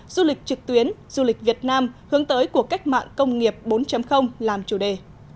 du lịch trực tuyến du lịch việt nam hướng tới cuộc cách mạng công nghiệp bốn làm chủ đề